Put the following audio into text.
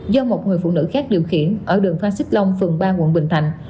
do một người phụ nữ khác điều khiển ở đường phan xích long phường ba quận bình thạnh